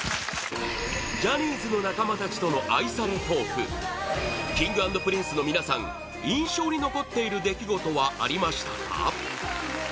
ジャニーズの仲間たちとの愛されトークＫｉｎｇ＆Ｐｒｉｎｃｅの皆さん印象に残っている出来事はありましたか？